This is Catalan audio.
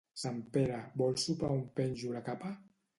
Sant Pere, vols sopar on penjo la capa?